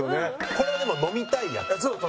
これはでも飲みたいやつ。